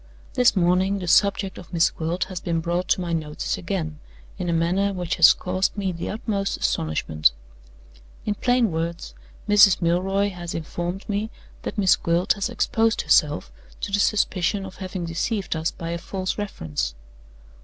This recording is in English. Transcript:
"This morning the subject of Miss Gwilt has been brought to my notice again in a manner which has caused me the utmost astonishment. In plain words, Mrs. Milroy has informed me that Miss Gwilt has exposed herself to the suspicion of having deceived us by a false reference.